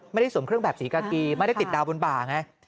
สวมเครื่องแบบสีกากีไม่ได้ติดดาวบนบ่าไง